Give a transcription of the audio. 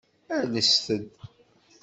Ales-d.